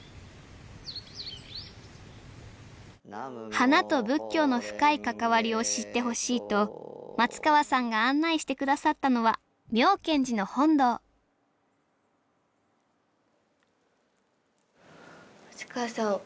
花と仏教の深い関わりを知ってほしいと松川さんが案内して下さったのは妙顕寺の本堂松川さん